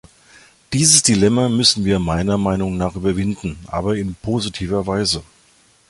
Dieses Dilemma müssen wir meiner Meinung nach überwinden, aber in positiver Weise.